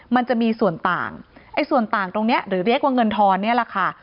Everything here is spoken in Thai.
มันจะมีส่วนต่างไอ้ส่วนต่างตรงนี้หรือเรียกว่าเงินทอนเนี่ยแหละค่ะ